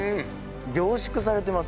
凝縮されてます